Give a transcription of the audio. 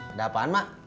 ada apaan mak